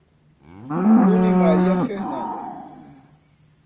Bruno e Maria Fernanda